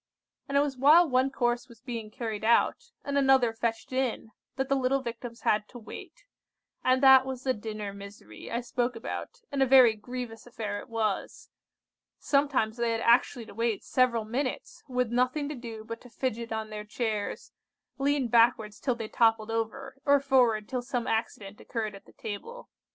And it was while one course was being carried out, and another fetched in, that the little Victims had to wait; and that was the dinner misery I spoke about, and a very grievous affair it was. Sometimes they had actually to wait several minutes, with nothing to do but to fidget on their chairs, lean backwards till they toppled over, or forward till some accident occurred at the table.